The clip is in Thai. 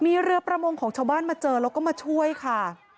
มีเรือประมงของชาวบ้านมาเจอแล้วก็มาช่วยค่ะ